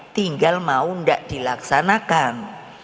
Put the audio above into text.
tinggal mau tidak dilaksanakan